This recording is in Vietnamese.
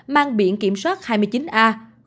mang biển kiểm soát hai mươi chín a một một mươi một